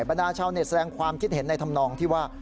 บรรดาชาวเน็ตแสดงความคิดเห็นในธรรมนองที่ว่า